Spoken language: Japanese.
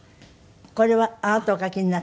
これはあなたお書きになったの？